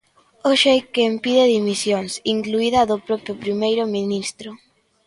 Hoxe hai quen pide dimisións, incluída a do propio primeiro ministro.